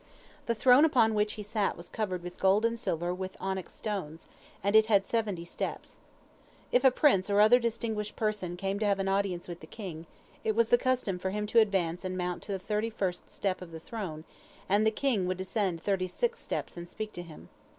The throne upon which he sat was covered with gold and silver and with onyx stones, and it had seventy steps. If a prince or other distinguished person came to have an audience with the king, it was the custom for him to advance and mount to the thirty first step of the throne, and the king would descend thirty six steps and speak to him.